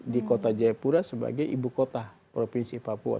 di kota jayapura sebagai ibukota provinsi papua